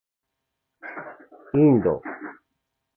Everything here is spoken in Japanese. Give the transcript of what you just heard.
インド